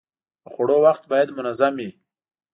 د خوړو وخت باید منظم وي.